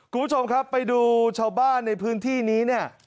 คุณผู้ชมครับไปดูชาวบ้านในพื้นที่นี้เนี่ย